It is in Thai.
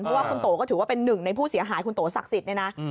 เพราะว่าคุณโตก็ถือว่าเป็นหนึ่งในผู้เสียหายคุณโตศักดิ์สิทธิ์เนี่ยนะ